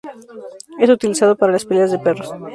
Es utilizado para las peleas de perros.